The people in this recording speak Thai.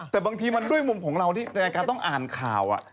แต่บางทีมันด้วยมุมของเราที่รายการต้องอ่านข่าว